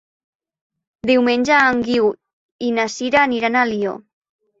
Diumenge en Guiu i na Sira aniran a Alió.